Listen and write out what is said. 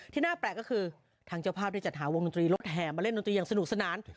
ที่น่าแปลกก็คือทางเจ้าภาพจะจัดวงดนตรีรถแห่มาเล่นดนตรีทางโสดุสนาน